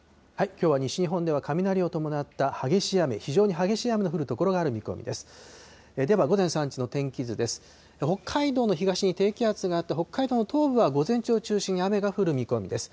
きょうは西日本では、雷を伴った激しい雨、非常に激しい雨の降る所がある見込みです。